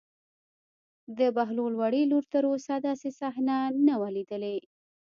د بهلول وړې لور تر اوسه داسې صحنه نه وه لیدلې.